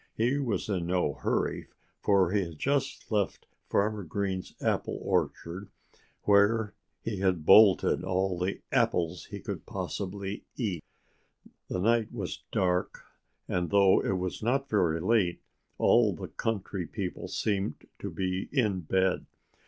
He was in no hurry, for he had just left Farmer Green's apple orchard, where he had bolted all the apples he could possibly eat. The night was dark and though it was not very late, all the country people seemed to be in bed.